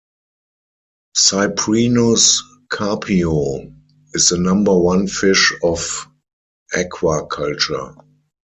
"Cyprinus carpio" is the number one fish of aquaculture.